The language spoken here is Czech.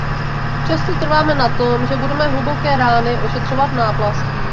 Přesto trváme na tom, že budeme hluboké rány ošetřovat náplastí.